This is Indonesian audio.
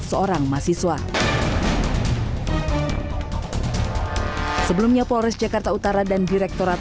saya tidak bisa mencari penyakit